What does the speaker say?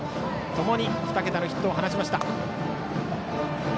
ともに２桁のヒットを放ちました。